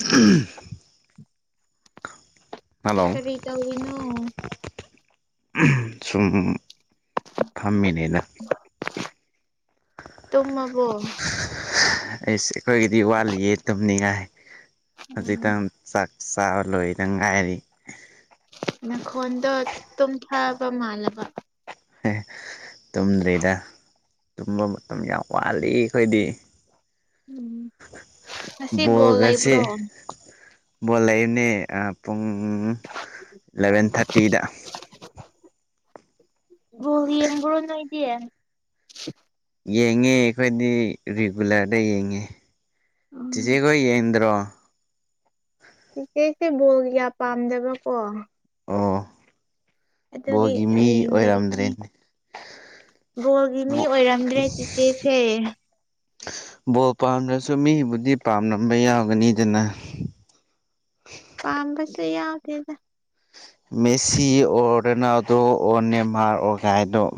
ꯎꯝ hello ꯀꯔꯤ ꯇꯧꯔꯤꯅꯣ ꯁꯨꯝ ꯐꯝꯃꯤꯅꯤꯗ ꯇꯨꯝꯃꯕꯣ ꯑꯩꯁ ꯑꯩꯈꯣꯏꯒꯤꯗꯤ ꯋꯥꯠꯂꯤꯌꯦ ꯇꯨꯝꯅꯤꯡꯉꯥꯏ ꯎꯝ ꯍꯧꯖꯤꯛꯇꯪ ꯆꯥꯛ ꯆꯥꯕ ꯂꯣꯏꯗ ꯉꯥꯏꯔꯤ ꯅꯈꯣꯟꯗꯣ ꯇꯨꯝꯊꯥꯕ ꯃꯥꯜꯂꯕ ꯇꯨꯝꯗ꯭ꯔꯤꯗ ꯇꯨꯝꯕ ꯃꯇꯝ ꯌꯥꯝ ꯋꯥꯠꯂꯤ ꯑꯩꯈꯣꯏꯗꯤ ꯎꯝ ꯉꯁꯤ ꯕꯣꯜ ꯕꯣꯜꯒꯁꯦ ꯂꯩꯕ꯭ꯔꯣ ꯕꯣꯜ ꯂꯩꯕꯅꯦ ꯄꯨꯡ ꯏꯂꯚꯦꯟ ꯊꯥꯔꯇꯤꯗ ꯕꯣꯜ ꯌꯦꯡꯕꯔꯣ ꯅꯣꯏꯗꯤ ꯌꯦꯡꯉꯦ ꯑꯩꯈꯣꯏꯗꯤ ꯔꯤꯒꯨꯂꯔꯗ ꯌꯦꯡꯉꯦ ꯎꯝ ꯆꯦꯆꯦꯈꯣꯏ ꯌꯦꯡꯗꯔꯣ ꯆꯦꯆꯦꯁꯦ ꯕꯣꯜ ꯀꯌꯥ ꯄꯥꯝꯗꯕ ꯀꯣ ꯑꯣ ꯑꯗꯨꯒꯤ ꯕꯣꯜꯒꯤ ꯃꯤ ꯌꯦꯡꯗꯔꯤꯅꯦ ꯑꯣꯏꯔꯝꯗ꯭ꯔꯦꯅꯦ ꯕꯣꯜꯒꯤ ꯃꯤ ꯑꯣꯏꯔꯝꯗ꯭ꯔꯦ ꯆꯦꯆꯦꯁꯦ ꯕꯣꯜ ꯄꯥꯝꯗ꯭ꯔꯁꯨ ꯃꯤꯕꯨꯗꯤ ꯄꯥꯝꯂꯝꯕ ꯌꯥꯎꯒꯅꯤꯗꯅ ꯄꯥꯝꯕꯁꯨ ꯌꯥꯎꯗꯦꯗ Messi or Ronaldo or Neymar or [unintelligible]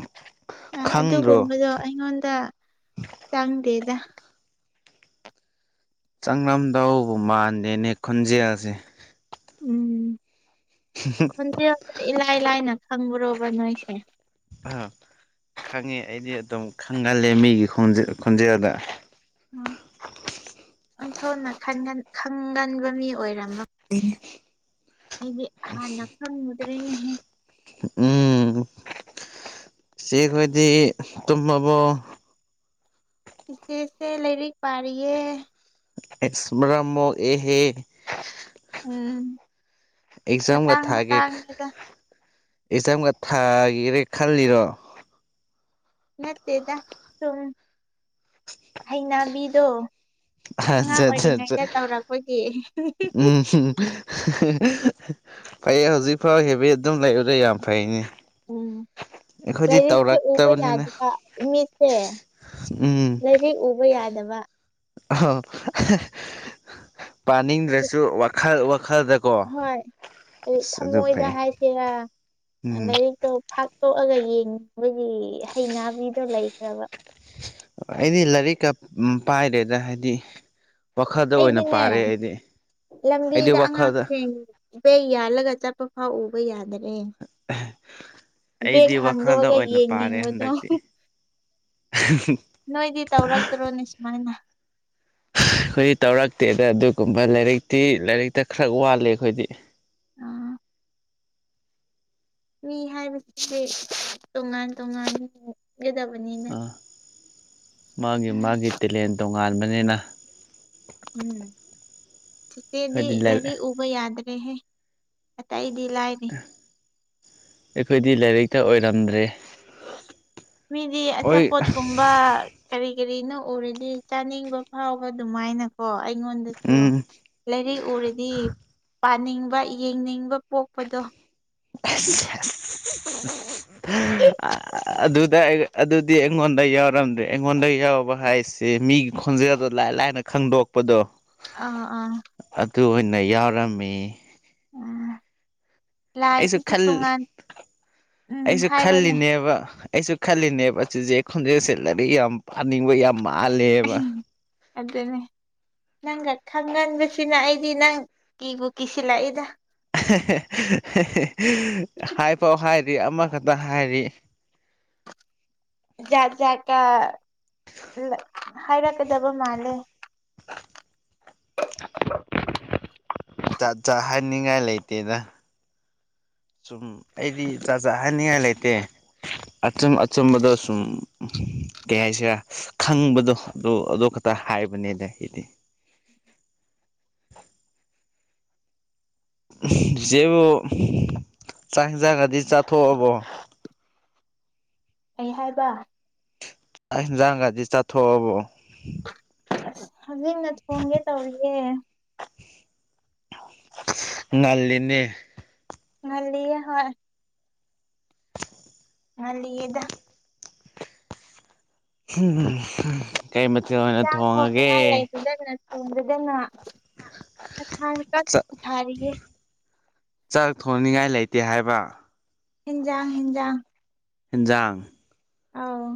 ꯑ ꯈꯪꯗ꯭ꯔꯣ ꯑꯗꯨꯒꯨꯝꯕꯗꯣ ꯑꯩꯉꯣꯟꯗ ꯆꯪꯗꯦꯗ ꯆꯪꯂꯝꯗꯧꯕꯨ ꯃꯥꯟꯗꯦꯅꯦ ꯈꯣꯜꯖꯦꯜꯁꯦ ꯎꯝ [unintelligible] ꯈꯣꯜꯖꯦꯜꯁꯤꯗ ꯏꯂꯥꯏ ꯂꯥꯏꯅ ꯈꯪꯕ꯭ꯔꯣꯕ ꯅꯣꯏꯁꯦ ꯑ ꯈꯪꯉꯤ ꯑꯩꯗꯤ ꯑꯗꯨꯝ ꯈꯪꯒꯜꯂꯦ ꯃꯤꯒꯤ ꯈꯣꯟꯖꯦꯜꯗ [unintelligible] ꯑꯣꯟꯊꯣꯛꯅ ꯈꯪꯒꯟꯕ ꯃꯤ ꯑꯣꯏꯔꯝꯃꯦ ꯑꯩꯗꯤ ꯍꯥꯟꯅ ꯈꯪꯉꯨꯗ꯭ꯔꯦꯅꯦꯍꯦ ꯎꯝ ꯆꯦꯆꯦꯈꯣꯏꯗꯤ ꯇꯨꯝꯃꯕꯣ ꯆꯦꯆꯦꯁꯦ ꯂꯥꯏꯔꯤꯛ ꯄꯥꯔꯤꯌꯦ ꯑꯦꯁ ꯃꯔꯝ ꯃꯣꯛꯑꯦꯍꯦ ꯎꯝ ꯑꯦꯛꯖꯥꯝꯒ ꯃꯇꯥꯡ ꯊꯥꯒꯦ ꯃꯇꯥꯡꯅꯤꯗ ꯑꯦꯛꯖꯥꯝꯒ ꯊꯥꯒꯤꯒꯦ ꯈꯜꯂꯤꯔꯣ ꯅꯠꯇꯦꯗ ꯁꯨꯝ ꯍꯩꯩꯅꯕꯤꯗꯣ ꯑꯉꯥꯡ ꯑꯠꯆꯥ ꯑꯠꯆꯥ ꯑꯠꯆꯥ ꯑꯣꯏꯔꯤꯉꯩꯗ ꯇꯧꯔꯛꯄꯒꯤ ꯎꯝ ꯐꯩꯌꯦ ꯍꯧꯖꯤꯛꯐꯥꯎ ꯍꯦꯕꯤꯠ ꯑꯗꯨꯝ ꯂꯩꯔꯤꯗꯦ ꯌꯥꯝ ꯐꯩꯅꯦ ꯎꯝ ꯑꯩꯈꯣꯏꯗꯤ ꯂꯥꯏꯔꯤꯛꯁꯦ ꯎꯕ ꯇꯧꯔꯛꯇꯕꯅꯤꯅ ꯌꯥꯗꯕ ꯃꯤꯠꯁꯦ ꯎꯝ ꯂꯥꯏꯔꯤꯛ ꯎꯕ ꯌꯥꯗꯕ ꯑ ꯄꯥꯅꯤꯡꯗ꯭ꯔꯁꯨ ꯋꯥꯈꯜ ꯋꯥꯈꯜꯗ ꯍꯣꯏ ꯊꯃꯣꯏꯗ ꯐꯩ ꯍꯥꯏꯁꯤꯔꯥ ꯎꯝ ꯂꯥꯏꯔꯤꯛꯇꯣ ꯐꯥꯛꯇꯣꯛꯑꯒ ꯌꯦꯡꯅꯤꯡꯕꯗꯤ ꯍꯩꯅꯩꯅꯅꯥꯕꯤꯗ ꯂꯩꯈ꯭ꯔꯕ ꯑꯩꯗꯤ ꯂꯥꯏꯔꯤꯛꯀ ꯄꯥꯏꯗꯔꯦꯗ ꯍꯥꯏꯗꯤ ꯋꯥꯈꯜꯗ ꯑꯣꯏꯅ ꯑꯩꯗꯤꯅꯦ ꯄꯥꯔꯦ ꯑꯩꯗꯤ ꯑꯩꯗꯤ ꯂꯝꯕꯤꯗ ꯋꯥꯈꯜꯗ ꯑꯉꯥꯡꯁꯤꯡ ꯕꯦꯛ ꯌꯥꯂꯒ ꯆꯠꯄꯐꯥꯎꯕ ꯌꯥꯗꯅꯦ ꯕꯦꯛ ꯑꯩꯗꯤ ꯋꯥꯈꯜꯗ ꯍꯥꯡꯗꯣꯛꯑꯒ ꯑꯣꯏꯅ ꯄꯥꯔꯦ ꯌꯦꯡꯅꯤꯡꯕꯗꯣ ꯍꯟꯗꯛꯇꯤ [unintelligible] ꯅꯣꯏꯗꯤ ꯇꯧꯔꯛꯇ꯭ꯔꯣꯅꯦ ꯁꯨꯃꯥꯏꯅ ꯑꯩꯈꯣꯏꯗꯤ ꯇꯧꯔꯛꯇꯦꯗ ꯑꯗꯨꯒꯨꯝꯕ ꯂꯥꯏꯔꯤꯛꯇꯤ ꯂꯥꯏꯔꯤꯛꯇ ꯈꯔ ꯋꯥꯠꯂꯦ ꯑꯩꯈꯣꯏꯗꯤ ꯑꯥ ꯃꯤ ꯍꯥꯏꯕꯁꯤꯗꯤ ꯇꯣꯉꯥꯟ ꯇꯣꯉꯥꯟ ꯒꯦꯗꯕꯅꯤ ꯑ ꯃꯥꯒꯤ ꯃꯥꯒꯤ ꯇꯦꯂꯦꯟ ꯇꯣꯉꯥꯟꯕꯅꯤꯅ ꯎꯝ ꯆꯦꯆꯦꯗꯤ ꯑꯩꯈꯣꯏꯗꯤ ꯂꯩꯥꯏꯔꯤꯛ ꯎ ꯌꯥꯗ꯭ꯔꯦꯍꯦ ꯑꯇꯩ ꯑꯩꯗꯤ ꯂꯥꯏꯅꯦ ꯑꯩꯈꯣꯏꯗꯤ ꯂꯥꯏꯔꯤꯛꯇ ꯑꯣꯏꯔꯝꯗ꯭ꯔꯦ ꯃꯤꯗꯤ ꯑꯆꯥ ꯍꯣꯏ ꯄꯣꯠꯀꯨꯝ ꯀꯔꯤ ꯀꯔꯤꯅꯣ ꯎꯔꯗꯤ ꯆꯥꯅꯤꯡꯕ ꯐꯥꯎꯕ ꯑꯗꯨꯃꯥꯏꯅ ꯑꯣ ꯑꯩꯉꯣꯟꯗꯁꯨ ꯎꯝ ꯂꯥꯏꯔꯤꯛ ꯎꯔꯗꯤ ꯄꯥꯅꯤꯡꯕ ꯌꯦꯡꯅꯤꯡꯕ ꯄꯣꯛꯄꯗꯣ ꯑꯁ ꯑꯁ ꯑꯗꯨꯗ ꯑꯗꯨꯗꯤ ꯑꯩꯉꯣꯟꯗ ꯌꯥꯎꯔꯝꯗ꯭ꯔꯦ ꯑꯩꯉꯣꯟꯗ ꯌꯥꯎꯕ ꯍꯥꯏꯁ ꯁꯤ ꯃꯤꯒꯤ ꯈꯣꯟꯖꯦꯜꯗꯣ ꯂꯥꯏ ꯂꯥꯏꯅ ꯈꯪꯗꯣꯛꯄꯗꯣ ꯑꯥ ꯑꯥ ꯑꯗꯨ ꯑꯣꯏꯅ ꯌꯥꯎꯔꯝꯃꯤ ꯎꯝ ꯑꯩꯁꯨ ꯂꯥꯏꯁꯤꯁꯨ ꯈꯜ ꯇꯣꯉꯥꯟ ꯎꯝ ꯑꯩꯁꯨ ꯍꯥꯏꯔꯣꯅꯦ ꯈꯜꯂꯤꯅꯦꯕ ꯑꯩꯁꯨ ꯈꯜꯂꯤꯅꯦꯕ ꯆꯨꯆꯦ ꯈꯣꯟꯖꯦꯜ ꯁꯦ ꯂꯥꯢꯔꯤꯛ ꯌꯥꯝ ꯐꯥꯅꯤꯡꯕ ꯌꯥꯝ ꯃꯥ [inaudible] ꯑꯗꯨꯅꯦ ꯅꯪꯒ ꯈꯪꯍꯟꯕꯁꯤꯅ ꯑꯩꯗꯤ ꯅꯪ ꯀꯤꯕꯨ ꯀꯤꯁꯤꯜꯂꯛꯏꯗ ꯍꯥꯏꯐꯥꯎ ꯍꯥꯏꯗꯔꯤ ꯑꯃꯈꯛꯇ ꯍꯥꯏꯔꯤ ꯖꯥꯠ ꯖꯥꯠꯀ ꯍꯥꯏꯔꯛꯀꯗꯕ ꯃꯥꯜꯂꯦ [inaudible] ꯖꯥꯠ ꯖꯥꯠ ꯍꯥꯏꯅꯤꯡꯉꯥꯏ ꯂꯩꯇꯦꯗ ꯁꯨꯝ ꯑꯩꯗꯤ ꯖꯥꯠ ꯖꯥꯠ ꯍꯥꯏꯅꯤꯡꯉꯥꯏ ꯂꯩꯇꯦ ꯑꯆꯝ ꯑꯆꯨꯝꯝꯕꯗ ꯁꯨꯝ ꯀꯩ ꯍꯥꯏꯁꯤꯔ ꯈꯪꯕꯗꯣ ꯑꯗꯨ ꯑꯗꯨ ꯈꯇ ꯍꯥꯏꯕꯅꯤꯅ ꯑꯩꯗꯤ ꯆꯤꯆꯦꯕꯨ ꯆꯥꯛ ꯍꯤꯟꯖꯥꯡꯒꯗꯤ ꯆꯥꯊꯣꯛꯑꯕꯣ ꯀꯩ ꯍꯥꯏꯕ ꯆꯥꯛ ꯍꯤꯟꯖꯥꯡꯒꯗꯤ ꯆꯥꯊꯣꯛꯑꯕꯣ ꯑꯁ ꯍꯧꯖꯤꯛꯅ ꯊꯣꯡꯒꯦ ꯇꯧꯔꯤꯌꯦ ꯉꯜꯂꯤꯅꯦ ꯉꯜꯂꯤꯌꯦ ꯍꯣꯏ ꯉꯜꯂꯤꯌꯦꯗ ꯀꯩ ꯃꯊꯦꯜ ꯑꯣꯏꯅ ꯊꯣꯡꯉꯒꯦ ꯊꯣꯡꯗꯥꯗꯅ [unintelligible] ꯊꯥꯔꯤꯒꯦ ꯆꯥꯛ ꯊꯣꯡꯅꯤꯡꯉꯥꯏ ꯂꯩꯇꯦ ꯍꯥꯏꯕ ꯍꯤꯟꯖꯥꯡ ꯍꯦꯟꯖꯥꯡ ꯏꯟꯖꯥꯡ ꯑꯧ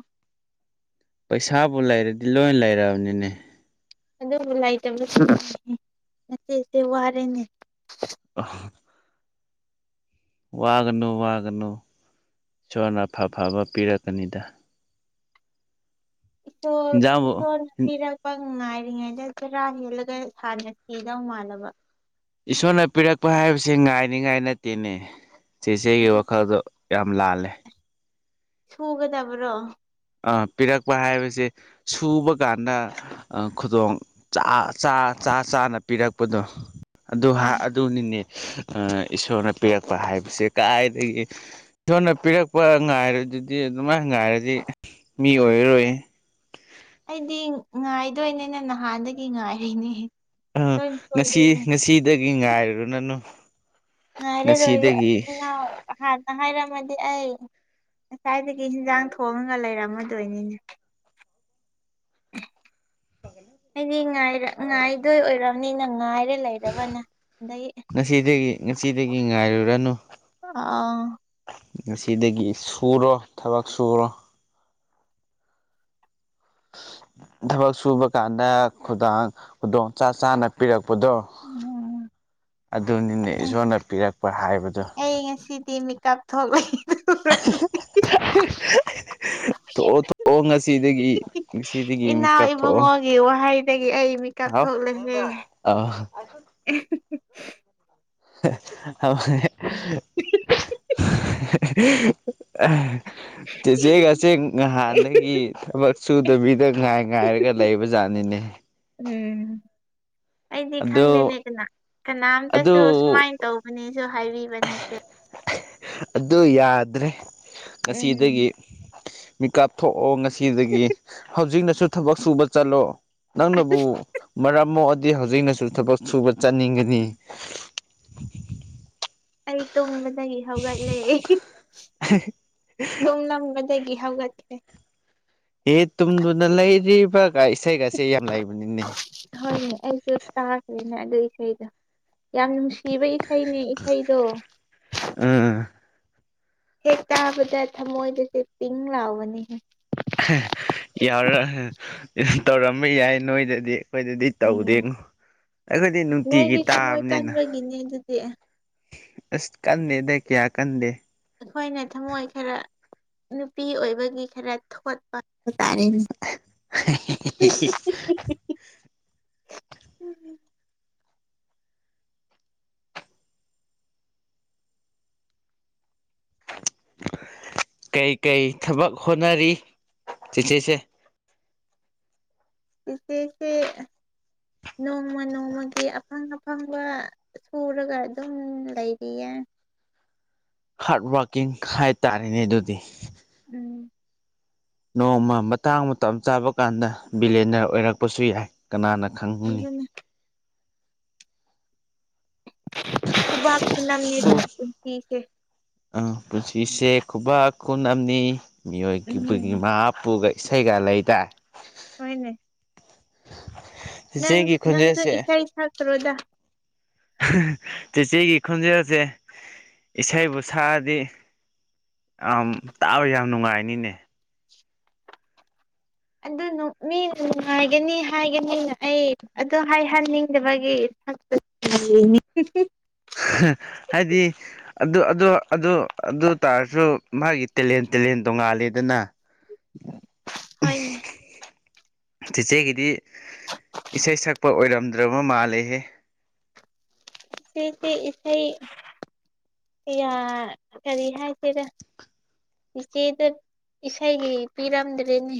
ꯄꯩꯁꯥꯕꯨ ꯂꯩꯔꯗꯤ ꯂꯣꯏ ꯂꯩꯔꯕꯅꯤꯅꯦ ꯑꯗꯨꯕꯨ ꯂꯩꯇꯕꯁꯨ ꯅꯆꯦꯁꯦ ꯋꯥꯔꯦꯅꯦ ꯑ ꯋꯥꯒꯅꯨ ꯋꯥꯒꯅꯨ ꯏꯁꯣꯔꯅ ꯑꯐꯐꯕ ꯄꯤꯔꯛꯀꯅꯤꯗ ꯏꯁꯣꯔ ꯏꯟꯖꯥꯡꯕꯨ ꯏꯁꯣꯔꯅ ꯄꯤꯔꯛ ꯄ ꯉꯥꯏꯔꯤꯉꯩꯗ ꯆꯔꯥ ꯍꯦꯜꯂꯒ ꯍꯥꯟꯅ ꯁꯤꯗꯧ ꯃꯥꯥꯜꯂꯕ ꯏꯁꯣꯔꯅ ꯄꯤꯔꯛꯄ ꯍꯥꯏꯕꯁꯤ ꯉꯥꯏꯅꯤꯉꯥꯏ ꯅꯠꯇꯦꯅꯦ ꯆꯦꯆꯦꯒꯤ ꯋꯥꯈꯜꯗꯣ ꯌꯥꯝ ꯂꯥꯜꯂꯦ ꯁꯨꯒꯗꯕ꯭ꯔꯣ ꯑꯥ ꯄꯤꯔꯛꯄ ꯍꯥꯏꯕꯁꯦ ꯁꯨꯕ ꯀꯥꯟꯗ ꯑꯥ ꯈꯨꯗꯣꯡ ꯆꯥ ꯆꯥ ꯆꯥ ꯆꯥꯅ ꯄꯤꯔꯛꯄꯗꯣ ꯑꯗꯨ ꯎꯝ ꯍꯥꯥ ꯑꯗꯨꯅꯤꯅꯦ ꯑꯥ ꯏꯁꯣꯔꯅ ꯄꯤꯔꯛꯄ ꯍꯥꯏꯕꯁꯦ ꯀꯥꯏꯗꯒꯤ ꯏꯁꯣꯔꯅ ꯄꯤꯔꯛꯄ ꯉꯥꯏꯔꯗꯨꯗꯤ ꯑꯗꯨꯃꯥꯏ ꯉꯥꯏꯔꯗꯤ ꯃꯤ ꯑꯣꯏꯔꯔꯣꯏ ꯑꯩꯗꯤ ꯉꯥꯏꯗꯣꯏꯅꯦꯅ ꯅꯍꯥꯟꯗꯒꯤ ꯉꯥꯏꯔꯤꯅꯦ ꯑꯥ ꯂꯣꯏ ꯉꯁꯤ ꯁꯣꯏꯔꯦꯅꯦ ꯉꯁꯤꯗꯒꯤ ꯉꯥꯏꯔꯨꯔ ꯅꯅꯨ ꯉꯥꯏꯔꯔꯣꯏ ꯏꯅꯥꯎ ꯍꯥꯟꯅꯥ ꯍꯥꯏꯔꯃꯗꯤ ꯑꯩ ꯉꯁꯥꯏꯗꯒꯤ ꯍꯤꯟꯖꯥꯡ ꯊꯣꯡꯉꯒ ꯂꯩꯔꯝꯃꯗꯣꯏꯅꯤꯅꯦ ꯑꯩꯗꯤ ꯉꯥꯏꯗꯣꯏ ꯑꯣꯏꯔꯔꯕꯝꯅꯤꯅ ꯉꯥꯏꯔꯦ ꯉꯁꯤꯗꯒꯤ ꯉꯁꯤꯗꯒꯤ ꯉꯥꯏꯔꯨꯔꯅꯨ ꯑꯥ ꯉꯁꯤꯗꯒꯤ ꯁꯨꯔꯣ ꯊꯕꯛ ꯁꯨꯔꯣ ꯊꯕꯛ ꯁꯨꯕ ꯀꯥꯟꯗ ꯈꯨꯗꯥꯡ ꯈꯨꯗꯣꯡ ꯆ ꯆꯥꯅ ꯄꯤꯔꯛꯄꯗꯣ ꯎꯝ ꯑꯗꯨꯅꯤꯅꯦ ꯏꯁꯣꯔꯅ ꯄꯤꯔꯛꯄ ꯍꯥꯏꯕꯗꯣ ꯑꯩ ꯉꯁꯤꯗꯤ ꯃꯤꯦꯀꯞ ꯊꯣꯛꯂꯛꯏ [inaudible] ꯊꯣꯛꯑꯣ ꯊꯣꯛꯑꯣ ꯉꯁꯤꯗꯒꯤ ꯉꯁꯤꯗꯒꯤ ꯏꯅꯥꯎ ꯃꯦꯀꯞ ꯊꯣꯛꯑꯣ ꯏꯕꯨꯡꯉꯣꯒꯤ ꯋꯥꯍꯩꯗꯒꯤ ꯑꯩ ꯃꯤꯀꯞ ꯍꯥꯎ ꯊꯣꯛꯂꯛꯑꯦ ꯑ [unintelligible] [unintelligible] ꯆꯦꯆꯦ ꯉꯆꯦꯛ ꯉꯍꯥꯟꯗꯒꯤ ꯊꯕꯛ ꯁꯨꯗꯕꯤꯗ ꯉꯥꯏ ꯉꯥꯏꯔꯒ ꯂꯩꯕꯖꯥꯠꯅꯤꯅꯦ ꯎꯝ ꯑꯩꯗꯤ ꯑꯗꯨ ꯈꯪꯗꯦꯅꯦ ꯀꯅꯥ ꯑꯗꯨ ꯀꯅꯥꯝꯇꯁꯨ ꯁꯨꯃꯥꯏ ꯇꯧꯕꯅꯦꯖꯨ ꯍꯥꯏꯕꯤꯕ ꯅꯠꯇꯦ ꯑꯗꯨ ꯌꯥꯗ꯭ꯔꯦ ꯎꯝ ꯉꯁꯤꯗꯒꯤ ꯃꯤꯀꯥꯞꯊꯣꯛ ꯑꯣ ꯉꯁꯤꯗꯒꯤ ꯍꯧꯖꯤꯛꯅꯁꯨ ꯊꯕꯛ ꯁꯨꯕ ꯆꯠꯂꯣ ꯅꯪꯅꯕꯨ ꯃꯔꯝ ꯃꯣꯛ ꯑꯗꯤ ꯍꯧꯖꯤꯛꯅꯁꯨ ꯊꯕꯛ ꯁꯨꯕ ꯆꯠꯅꯤꯡꯒꯅꯤ ꯑꯩ ꯇꯨꯝꯕꯗꯒꯤ ꯍꯧꯒꯠꯂꯦ ꯇꯨꯝꯂꯝꯕ ꯑꯦꯒꯤ ꯍꯧꯒꯠꯈꯔ꯭ꯦ ꯍꯦ ꯇꯨꯝꯗꯨꯅ ꯂꯩꯔꯤꯕ ꯒꯥꯏ ꯏꯁꯩꯒꯁꯦ ꯌꯥꯝ ꯂꯩꯕꯅꯤꯅꯦ ꯍꯣꯏꯅꯦ ꯑꯩꯁꯨ ꯇꯥꯈ꯭ꯔꯦꯅ ꯑꯗꯨ ꯏꯁꯩꯗ ꯌꯥꯝꯅ ꯄꯤꯕ ꯏꯁꯩꯅꯦ ꯏꯁꯩꯗꯣ ꯎꯝ ꯍꯦꯛ ꯇꯥꯕꯗ ꯊꯃꯣꯏꯗꯁꯦ ꯄꯤꯡ ꯂꯥꯎꯕꯅꯤꯍ ꯌꯥꯔ ꯇꯧꯔꯝꯕ ꯌꯥꯏ ꯅꯣꯏꯗꯗꯤ ꯑꯩꯈꯣꯏꯗꯗꯤ ꯎꯝ ꯇꯧꯗꯦꯉꯣ ꯑꯩꯈꯣꯏꯗꯤ ꯅꯨꯡꯇꯤꯒꯤ ꯅꯣꯏꯗꯤ ꯊꯃꯣꯏ ꯇꯥꯕꯅꯤꯅ ꯀꯟꯕꯒꯤꯅꯦ ꯑꯗꯨꯗꯤ ꯑꯁ ꯀꯟꯗꯦꯗ ꯀꯌꯥ ꯀꯟꯗꯦ ꯑꯩꯈꯣꯏꯅ ꯊꯃꯣꯏ ꯈꯔ ꯅꯨꯄꯤ ꯑꯣꯏꯕꯒꯤ ꯈꯔ ꯊꯣꯠꯄ ꯍꯥꯏ ꯇꯥꯔꯦ [inaudible] ꯀꯩ ꯀꯩ ꯊꯕꯛ ꯍꯣꯠꯅꯔꯤ ꯆꯦꯆꯦꯁꯦ ꯏꯆꯦꯁꯤ ꯅꯣꯡꯃ ꯅꯣꯡꯃꯒꯤ ꯑꯐꯪ ꯑꯐꯪꯕ ꯁꯨꯔꯒ ꯑꯗꯨꯝ ꯂꯩꯔꯤꯌꯦ ꯍꯥꯔꯠ ꯋꯥꯔꯀꯤꯡ ꯍꯥꯏꯇꯥꯔꯦꯅꯦ ꯑꯗꯨꯗꯤ ꯎꯝ ꯅꯣꯡꯃ ꯃꯇꯥꯡ ꯃꯇꯝ ꯆꯥꯕ ꯀꯥꯟꯗ ꯕꯤꯂꯦꯗꯔ ꯑꯣꯏꯔꯛꯄꯁꯨ ꯌꯥꯏ ꯀꯅꯥꯅ ꯈꯪꯅꯤ ꯑꯗꯨꯅꯦ ꯈꯨꯕꯥꯛ ꯁ ꯁꯣ ꯈꯨꯅꯝꯅꯤꯗ ꯄꯨꯟꯁꯤꯁꯦ ꯑ ꯄꯨꯟꯁꯤꯁꯦ ꯈꯨꯕꯥꯛ ꯈꯨꯟ ꯑꯃꯅꯤꯅꯤ ꯃꯤꯑꯣꯏꯒꯤ ꯎꯝ ꯄꯨꯈ ꯏꯁꯩꯒꯥ ꯂꯩꯗ ꯍꯅꯦ [inaudible] ꯅꯪ ꯅꯪꯁꯨ ꯈꯣꯟꯖꯦꯜꯁꯦ ꯏꯁꯥꯏ ꯁꯥꯇ꯭ꯔꯣꯗꯥ ꯆꯤꯆꯦꯒꯤ ꯈꯣꯟꯖꯦꯜꯁꯦ ꯏꯁꯩꯕꯨ ꯁꯛꯑꯗꯤ ꯑ ꯇꯥꯛꯋ ꯌꯥꯝ ꯅꯨꯡꯉꯥꯏꯅꯤꯅꯦ ꯑꯗꯨ ꯃꯤ ꯅꯨꯡꯉꯥꯏꯒꯅꯤ ꯍꯥꯏꯒꯅꯤꯅ ꯑꯩ ꯑꯗꯨ ꯍꯥꯏꯍꯟꯅꯤꯡꯗꯕꯒꯤ [inaudible] ꯍꯥꯏꯗꯤ ꯑꯗꯨ ꯑꯗꯨ ꯑꯗꯨ ꯑꯗꯨ ꯇꯥꯔꯁꯨ ꯃꯥꯒꯤ ꯇꯦꯂꯦꯟ ꯇꯦꯂꯦꯟ ꯇꯣꯉꯥꯂꯦꯗꯅ ꯍꯅꯦ ꯆꯤꯆꯦꯒꯤꯗꯤ ꯏꯁꯩ ꯁꯛꯄ ꯑꯣꯏꯔꯝꯗ꯭ꯔꯕ ꯃꯥꯜꯂꯦꯍꯦ ꯁꯤꯁꯤꯦ ꯏꯁꯩ ꯀꯔꯤ ꯍꯥꯏꯁꯤꯔ ꯏꯆꯦꯗ ꯏꯁꯩꯒꯤ ꯄꯤꯔꯝꯗ꯭ꯔꯦꯅꯦ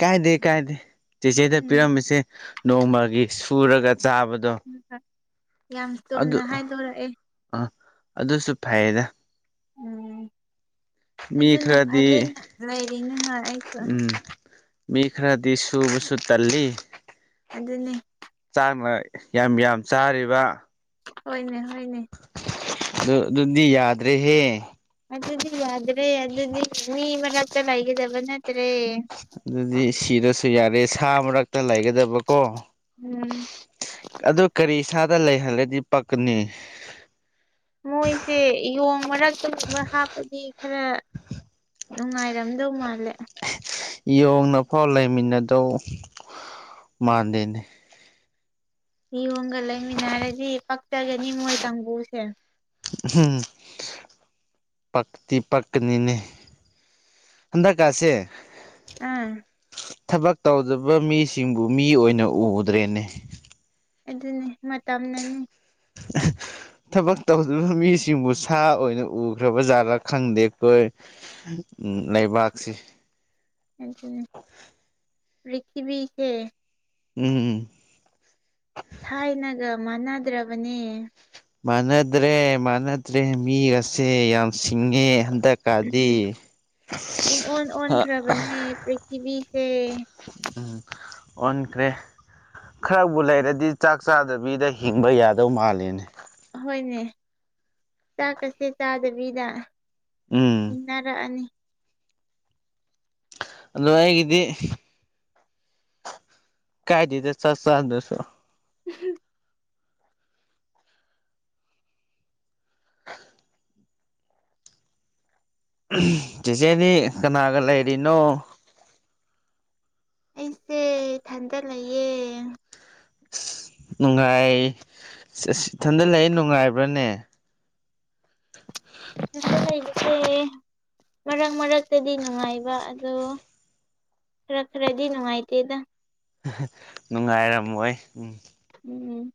ꯀꯥꯏꯗꯦ ꯀꯥꯏꯗꯦ ꯆꯦꯆꯦꯗ ꯎꯝ ꯄꯤꯔꯝꯃꯤꯁꯦ ꯅꯣꯡꯃꯒꯤ ꯁꯨꯔꯒ ꯆꯥꯕꯗꯣ ꯌꯥꯝ ꯆꯨꯅ ꯍꯥꯏꯗꯣꯔꯛꯑꯦ ꯑꯥ ꯑꯗꯨꯁꯨ ꯐꯩꯌꯦꯗ ꯎꯝ ꯃꯤ ꯑꯗꯨꯅ ꯈꯔꯗꯤ ꯐꯔꯦꯅ ꯂꯩꯔꯤꯅꯦ ꯍꯣꯏ ꯑꯩꯁꯨ ꯎꯝ ꯃꯤ ꯈꯔꯗꯤ ꯁꯨꯕꯁꯨ ꯇꯜꯂꯤ ꯑꯗꯨꯗꯟꯅꯅꯦ ꯆꯥꯡꯅ ꯌꯥꯝ ꯌꯥꯝ ꯆꯥꯔꯤꯕ ꯍꯣꯏꯅꯦ ꯍꯅꯦ ꯑꯗꯨ ꯑꯗꯨꯗꯤ ꯌꯥꯗ꯭ꯔꯦꯍꯦ ꯑꯗꯨꯗꯤ ꯌꯥꯗ꯭ꯔꯦ ꯑꯗꯨꯗꯤ ꯃꯤ ꯃꯅ ꯆ ꯂ ꯍ ꯍꯥꯏꯒꯦꯗꯕ ꯅꯠꯇ꯭ꯔꯦ ꯑꯗꯨꯗꯤ ꯁꯤꯔꯁꯨ ꯌꯥꯔꯦ ꯁꯥ ꯃꯔꯛꯇ ꯂꯩꯒꯗꯕꯀꯣ ꯎꯝ ꯑꯗꯨ ꯀꯔꯤ ꯏꯁꯥꯗ ꯂꯩꯍꯜꯂꯗꯤ ꯄꯛꯀꯅꯤ ꯃꯣꯏꯁꯦ ꯌꯦꯣꯡ ꯃꯔꯛꯇ ꯁꯕ ꯍꯥꯞꯄꯗꯤ ꯈꯔ ꯅꯨꯡꯉꯥꯏꯔꯝꯗꯧ ꯃꯥꯜꯂꯦ ꯌꯣꯡꯅꯐꯥꯎ ꯂꯩꯃꯤꯟꯅꯗꯧ ꯃꯥꯟꯗꯦꯅꯦ ꯍꯌꯣꯝꯒ ꯂꯩꯃꯤꯟꯅꯔꯗꯤ ꯄꯛꯆꯒꯅꯤ ꯃꯣꯏ ꯀꯥꯡꯕꯨꯁꯦ ꯎꯝ ꯄꯛꯇꯤ ꯄꯛꯀꯅꯤꯅꯦ ꯍꯟꯗꯛꯀꯥꯁꯦ ꯑꯥ ꯊꯕꯛ ꯇꯧꯗꯕ ꯃꯤꯁꯤꯡꯕꯨ ꯃꯤ ꯑꯣꯏꯅ ꯎꯗ꯭ꯔꯦꯅꯦ ꯑꯗꯨꯅꯤ ꯃꯇꯝꯅꯅꯤ [unintelligible] ꯊꯕꯛ ꯇꯧꯗꯔꯤꯕ ꯃꯤꯁꯤꯡꯕꯨ ꯁꯥ ꯑꯣꯏꯅ ꯎꯈ꯭ꯔꯕ ꯖꯥꯠꯔꯥ ꯈꯪꯗꯦ ꯑꯩꯈꯣꯏ ꯎꯝ ꯂꯩꯕꯥꯛꯁꯤ ꯔꯈꯕꯤꯤ ꯀꯦ ꯎꯝꯝ ꯎꯝ ꯊꯥꯏꯅꯒ ꯃꯥꯟꯅꯗ꯭ꯔꯕꯅꯦ ꯃꯥꯟꯅꯗ꯭ꯔꯦ ꯃꯥꯟꯅꯗ꯭ꯔꯦ ꯃꯤꯒꯁꯦ ꯌꯥꯝ ꯁꯤꯡꯉꯦ ꯍꯟꯗꯛ ꯀꯥꯗꯤ ꯎꯝ ꯑꯣꯟ ꯑꯣꯟꯈ꯭ꯔꯕꯅꯦ ꯄ꯭ꯔꯤꯊꯤꯕꯤꯁꯦ ꯑꯣꯟꯈ꯭ꯔꯦ ꯈꯔꯕꯨ ꯂꯩꯔꯗꯤ ꯆꯥꯛ ꯆꯥꯗꯕꯤꯗ ꯍꯤꯡꯕ ꯌꯥꯗꯧ ꯃꯥꯜꯂꯤꯅꯦ ꯑꯍꯣꯏꯅꯦ ꯆꯥꯛꯀꯁꯦ ꯆꯥꯗꯕꯤꯗ ꯎꯝ ꯏꯟꯅꯔꯑꯅꯤ ꯑꯗꫭ ꯑꯩꯒꯤꯗꯤ ꯀꯥꯏꯗ‌ꯦꯗꯥ ꯆꯛ ꯆꯥꯗꯔꯥꯁꯨ ꯎꯝ [unintelligible] ꯆꯦꯆꯦꯗꯤ ꯀꯅꯥꯒ ꯂꯩꯔꯤꯅꯣ ꯑꯩꯁꯦ ꯏꯊꯟꯗ ꯂꯩꯌꯦ ꯅꯨꯡꯉꯥꯏꯁ ꯏꯊꯟꯗ ꯂꯩ ꯅꯨꯡꯉꯥꯏꯕ꯭ꯔꯅꯦ ꯏꯊꯟꯇ ꯂꯩꯕꯁꯦ ꯃꯔꯛ ꯃꯔꯛꯇꯗꯤ ꯅꯨꯡꯉꯥꯏꯕ ꯑꯗꯣ ꯈꯔ ꯈꯔꯗꯤ ꯅꯨꯡꯉꯥꯏꯇꯦꯗ ꯅꯨꯡꯉꯥꯏꯔꯝꯃꯣꯏ ꯎꯝ ꯎꯝ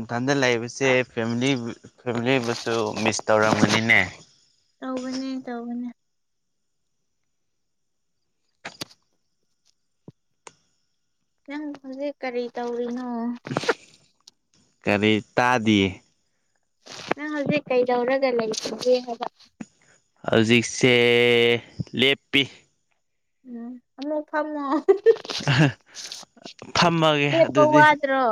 ꯏꯊꯟꯗ ꯂꯥꯛꯏꯕꯁꯦ ꯐꯦꯃꯤꯂꯤ ꯐꯦꯃꯤꯂꯤꯕꯨꯁꯨ ꯃꯤꯁ ꯇꯧꯔꯝꯒꯅꯤꯅꯦ ꯇꯧꯕꯅꯦ ꯇꯧꯕꯅꯦ ꯅꯪ ꯍꯧꯖꯤꯛ ꯀꯔꯤ ꯇꯧꯔꯤꯅꯣ ꯀꯔꯤ ꯇꯥꯗꯤꯌꯦ ꯅꯪ ꯍꯧꯖꯤꯛ ꯀꯩꯗꯧꯔꯒ ꯂꯩ [unintelligible] ꯍꯧꯖꯤꯛꯁꯦ ꯂꯦꯞꯄꯤ ꯎꯝ ꯑꯃꯨꯛ ꯐꯝꯃꫭ ꯐꯝꯃꯒꯦ ꯂꯦꯞꯄ ꯑꯗꯨꯗꯤ ꯋꯥꯗ꯭ꯔꯣ